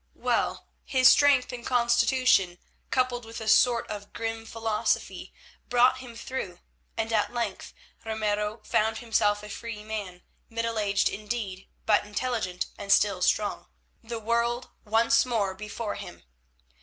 Well, his strength and constitution, coupled with a sort of grim philosophy, brought him through, and at length Ramiro found himself a free man, middle aged indeed, but intelligent and still strong, the world once more before him.